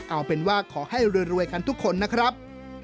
เอาเป็นว่าขอให้รวยกันทุกคนนะครับ